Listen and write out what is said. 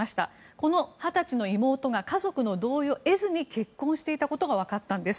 この二十歳の妹が家族の同意を得ずに結婚していたことが分かったんです。